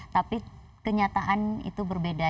tapi kenyataan itu berbeda